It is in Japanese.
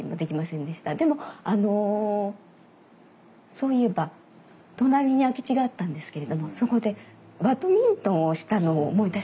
でもあのそういえば隣に空き地があったんですけれどもそこでバドミントンをしたのを思い出しました。